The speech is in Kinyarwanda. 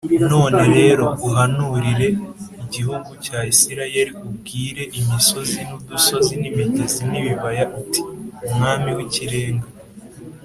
None rero uhanurire igihugu cya Isirayeli ubwire imisozi n udusozi n imigezi n ibibaya uti Umwami w Ikirenga